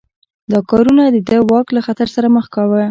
دا کارونه د ده واک له خطر سره مخ کاوه.